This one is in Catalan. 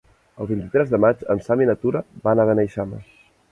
El vint-i-tres de maig en Sam i na Tura van a Beneixama.